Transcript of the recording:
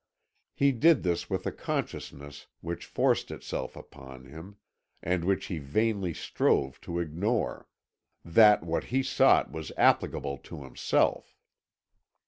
He did this with a consciousness which forced itself upon him, and which he vainly strove to ignore, that what he sought was applicable to himself.